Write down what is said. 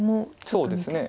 そうですね。